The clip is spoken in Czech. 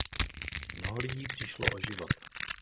Mnoho lidí přišlo o život.